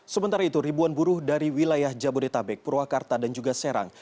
sementara itu ribuan buruh dari wilayah jabodetabek purwakarta dan juga serang